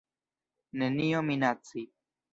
Nenio minaci.